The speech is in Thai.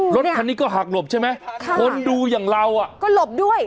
รถคันนี้ก็หักหลบใช่ไหมคนดูอย่างเราก็หลบด้วย